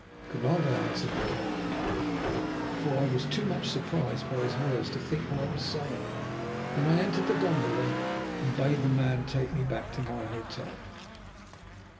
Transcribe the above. "Good night," I answered mechanically, for I was too much surprised by his words to think what I was saying. Then I entered the gondola and bade the man take me back to my hotel.